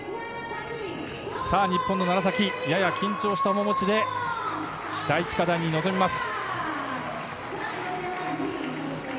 日本の楢崎やや緊張した面持ちで第１課題に臨みます。